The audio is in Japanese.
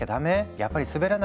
やっぱりすべらない話？